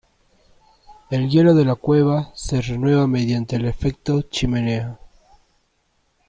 El hielo de la cueva se renueva mediante el efecto chimenea.